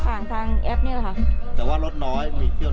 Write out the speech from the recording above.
ผ่านทางแอปนี้แหละค่ะแต่ว่ารถน้อยมีเที่ยวน้อย